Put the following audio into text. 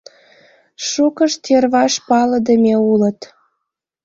Шукышт йырваш палыдыме улыт.